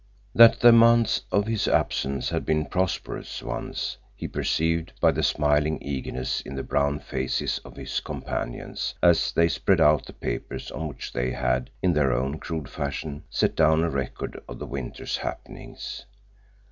That the months of his absence had been prosperous ones he perceived by the smiling eagerness in the brown faces of his companions as they spread out the papers on which they had, in their own crude fashion, set down a record of the winter's happenings.